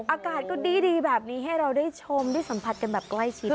อากาศก็ดีแบบนี้ให้เราได้ชมได้สัมผัสกันแบบใกล้ชิด